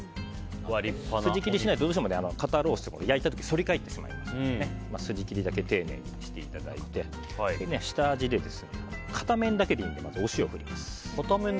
筋切りしないとどうしても肩ロースって焼いた時に反り返ってしまいますので筋切りだけ丁寧にしていただいて下味で片面だけまずお塩を振ります。